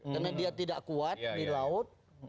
karena dia tidak kuat di laut